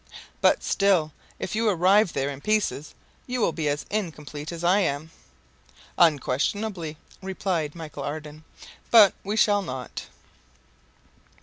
"But still, if you arrive there in pieces, you will be as incomplete as I am." "Unquestionably," replied Michel Ardan; "but we shall not."